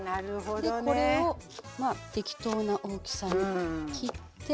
これをまあ適当な大きさに切って。